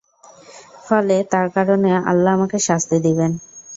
ফলে তার কারণে আল্লাহ আমাকে শাস্তি দিবেন।